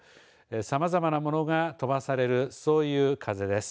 さまざまなものが飛ばされる、そういう風です。